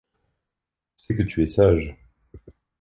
C’est que tu es sage.